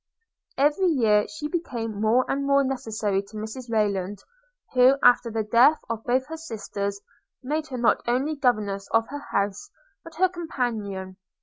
Every year she became more and more necessary to Mrs Rayland, who, after the death of both her sisters, made her not only governess of her house, but her companion.